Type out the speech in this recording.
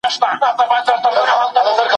ساقي نن دي